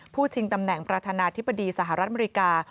ชิงตำแหน่งประธานาธิบดีสหรัฐอเมริกา